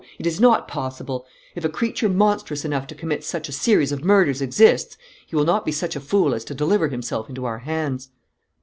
It is not possible. If a creature monstrous enough to commit such a series of murders exists, he will not be such a fool as to deliver himself into our hands."